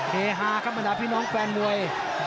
เนฮาครับมาดาวพี่น้องแฟนหน่วย